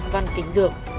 văn kính dương